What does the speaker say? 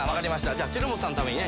じゃあ輝基さんのためにね